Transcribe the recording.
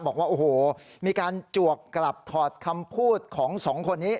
บอกว่าโอ้โหมีการจวกกลับถอดคำพูดของสองคนนี้